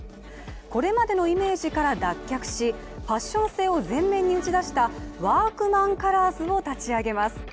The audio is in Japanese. これまでのイメージから脱却しファッション性を前面に打ち出したワークマンカラーズを立ち上げます。